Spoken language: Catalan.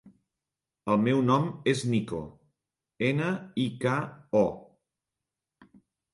El meu nom és Niko: ena, i, ca, o.